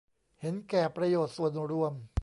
เห็นแก่ประโยชน์ส่วนรวม